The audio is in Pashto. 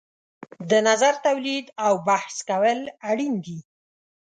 د نظر تولید او بحث کول اړین دي.